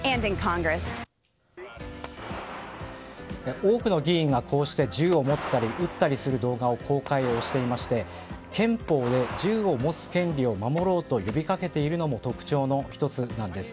多くの議員がこうして銃を持ったり撃ったりする動画を公開していまして憲法で銃を持つ権利を守ろうと呼びかけているのも特徴の１つなんです。